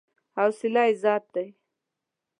حوصله عزت ده.